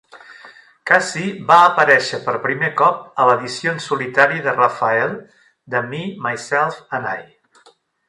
Casey va aparèixer per primer cop a l'edició en solitari de Raphael de Me, Myself and I.